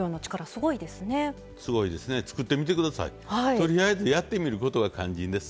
とりあえずやってみることが肝心です。